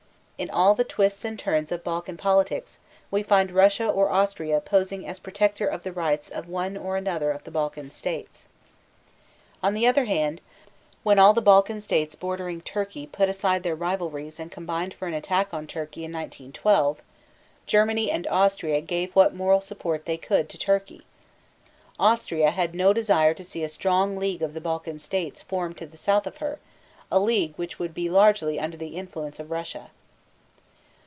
In all the twists and turns of Balkan politics we find Russia or Austria posing as protector of the rights of one or another of the Balkan states. On the other hand, when all the Balkan states bordering Turkey put aside their rivalries and combined for an attack on Turkey in 1912, Germany and Austria gave what moral support they could to Turkey. Austria had no desire to see a strong league of the Balkan states formed to the south of her, a league which would be largely under the influence of Russia.